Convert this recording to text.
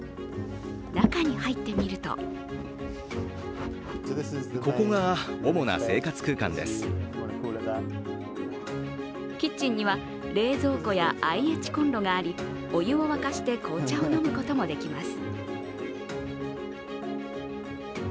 中に入ってみるとキッチンには冷蔵庫やＩＨコンロがあり、お湯を沸かして紅茶を飲むこともできます。